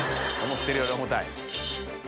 思ってるより重たい。